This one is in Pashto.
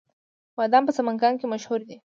بادام په سمنګان کې مشهور دي